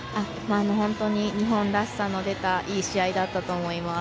本当に日本らしさの出たいい試合だったと思います。